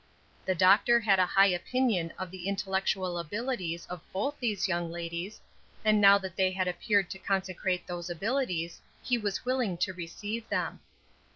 The doctor had a high opinion of the intellectual abilities of both these young ladies, and now that they had appeared to consecrate those abilities, he was willing to receive them.